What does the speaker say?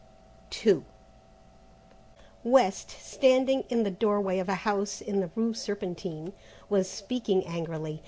II West, standing in the doorway of a house in the rue Serpentine, was speaking angrily.